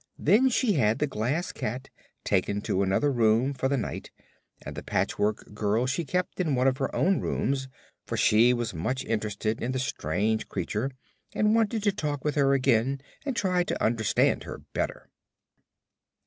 Then she had the Glass Cat taken to another room for the night and the Patchwork Girl she kept in one of her own rooms, for she was much interested in the strange creature and wanted to talk with her again and try to understand her better.